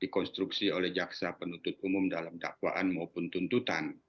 dikonstruksi oleh jaksa penuntut umum dalam dakwaan maupun tuntutan